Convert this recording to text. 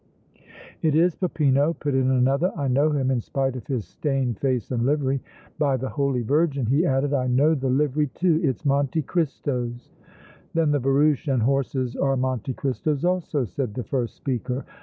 "It is Peppino," put in another. "I know him in spite of his stained face and livery! By the Holy Virgin!" he added, "I know the livery, too! It's Monte Cristo's!" "Then the barouche and horses are Monte Cristo's also!" said the first speaker.